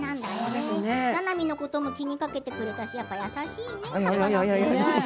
ななみのことも気にかけてくれたし優しいね。